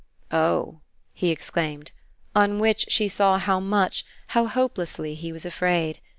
"Oh!" he exclaimed; on which she saw how much, how hopelessly he was afraid.